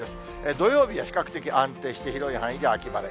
土曜日は比較的安定して、広い範囲で秋晴れ。